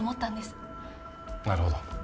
なるほど。